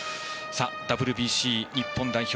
ＷＢＣ日本代表